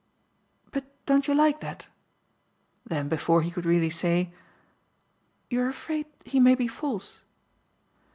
"But don't you like that?" Then before he could really say: "You're afraid he may be false?"